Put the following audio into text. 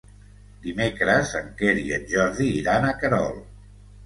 Dimecres en Quer i en Jordi iran a Querol.